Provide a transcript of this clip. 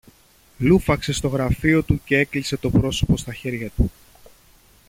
λούφαξε στο γραφείο του και έκλεισε το πρόσωπο στα χέρια του